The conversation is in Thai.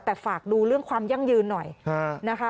แต่ฝากดูเรื่องความยั่งยืนหน่อยนะคะ